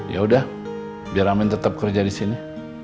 yaudah biar amin tetap kerja di sini